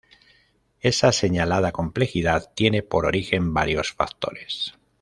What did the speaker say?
Esa señalada complejidad tiene por origen varios factores.